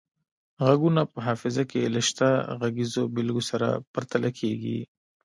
غږونه په حافظه کې له شته غږیزو بیلګو سره پرتله کیږي